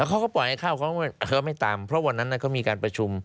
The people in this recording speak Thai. เขาก็ปล่อยให้เข้าเขาไม่ตามเพราะวันนั้นเขามีการประชุม